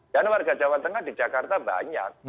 dan warga jawa tengah di jakarta banyak